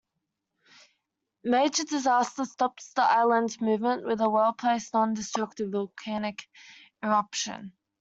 Major Disaster stops the island's movement with a well-placed, non-destructive volcanic eruption.